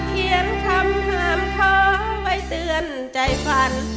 เขียนคำห้ามท้อไว้เตือนใจฝัน